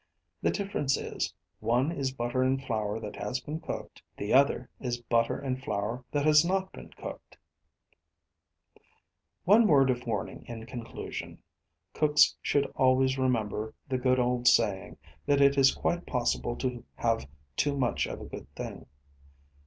The difference is one is butter and flour that has been cooked, the other is butter and flour that has not been cooked. One word of warning in conclusion. Cooks should always remember the good old saying that it is quite possible to have too much of a good thing.